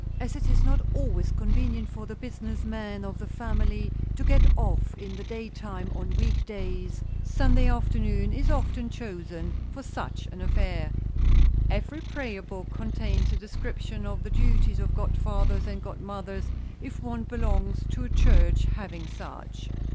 As it is not always convenient for the business men of the family to get off in the daytime on week days, Sunday afternoon is often chosen for such an affair. Every prayer book contains a description of the duties of godfathers and godmothers, if one belongs to a church having such.